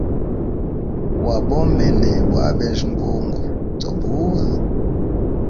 Wabomene bwa abeja mbungu to buwa.